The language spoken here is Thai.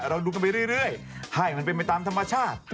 เราดูกันไปเรื่อยให้มันเป็นไปตามธรรมชาติ